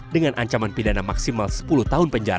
dengan ancaman pidana maksimal sepuluh tahun penjara